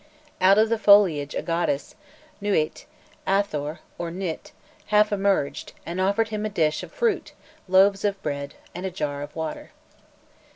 Out of the foliage a goddess Nûît, ïïâthor, or Nît half emerged, and offered him a dish of fruit, loaves of bread, and a jar of water.